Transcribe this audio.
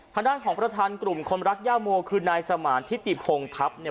ขณะของประธานกลุ่มคนรักย่าโมคือนายสมารธิกิพงทัพเนี่ย